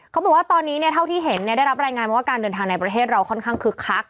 เขาบอกว่าตอนนี้เท่าที่เห็นได้รับรายงานมาว่าการเดินทางในประเทศเราค่อนข้างคึกคัก